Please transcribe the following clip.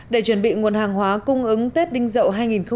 để chuẩn bị nguồn hàng hóa cung ứng tết đinh dậu hai nghìn một mươi bảy